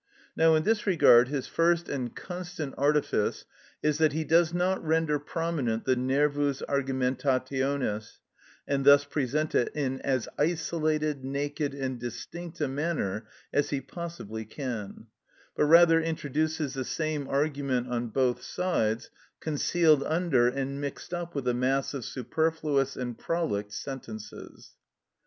Now in this regard his first and constant artifice is, that he does not render prominent the nervus argumentationis, and thus present it in as isolated, naked, and distinct a manner as he possibly can; but rather introduces the same argument on both sides, concealed under and mixed up with a mass of superfluous and prolix sentences.